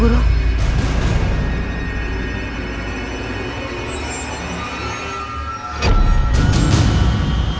kamu harus menang